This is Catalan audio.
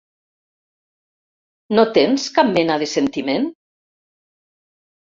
No tens cap mena de sentiment?